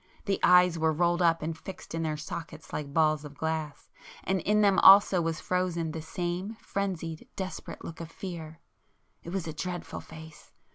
The eyes were rolled up and fixed in their sockets like balls of glass, and in them also was frozen the same frenzied desperate look of fear. It was a dreadful face!